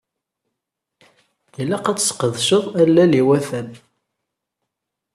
Ilaq ad tesqedceḍ allal iwatan.